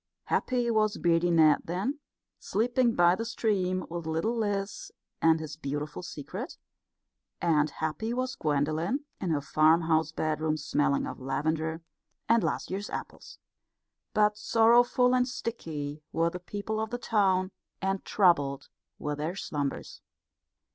Happy was Beardy Ned then, sleeping by the stream, with little Liz and his beautiful secret; and happy was Gwendolen in her farmhouse bedroom smelling of lavender and last year's apples. But sorrowful and sticky were the people of the town, and troubled were their slumbers.